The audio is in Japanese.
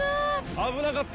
・危なかった。